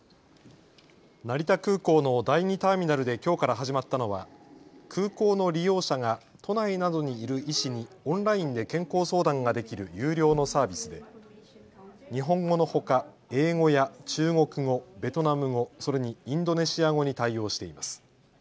成田空港の第２ターミナルできょうから始まったのは空港の利用者が都内などにいる医師にオンラインで健康相談ができる有料のサービスで日本語のほか英語や中国語、ベトナム語、それにインドネシア語に対応しています。